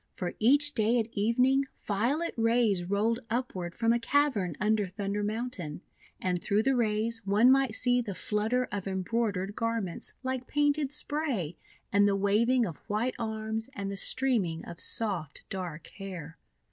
For each day at evening, violet rays rolled up ward from a cavern under Thunder Mountain; and through the rays one might see the flutter of embroidered garments like painted spray, and the waving of white arms, and the streaming of soft, dark hair.